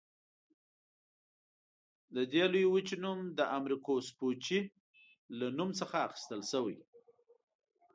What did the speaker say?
دې لویې وچې نوم د امریکو سپوچي له نوم څخه اخیستل شوی.